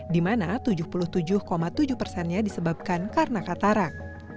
di mana tujuh puluh tujuh tujuh nya disebabkan karena katarak